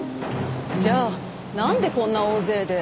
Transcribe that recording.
じゃあなんでこんな大勢で。